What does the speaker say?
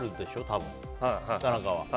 多分、田中は。